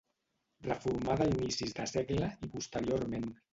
Reformada a inicis de segle i posteriorment.